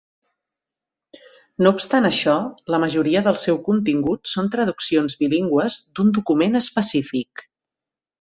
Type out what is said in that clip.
No obstant això, la majoria del seu contingut són traduccions bilingües d'un document específic.